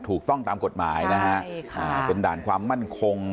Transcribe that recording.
ถูกต้องตามกฎหมายนะฮะใช่ค่ะเป็นด่านความมั่นคง